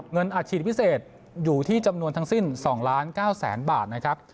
เงินอัดฉีดพิเศษอยู่ที่จำนวนทั้งสิ้น๒๙๐๐๐๐๐บาทนะครับ